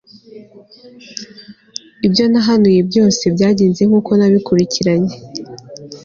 Ibyo nahanuye byose byagenze nkuko nabikurikiranye